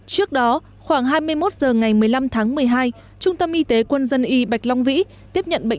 trước đó khoảng hai mươi một h ngày một mươi năm tháng một mươi hai trung tâm y tế quân dân y bạch long vĩ tiếp nhận bệnh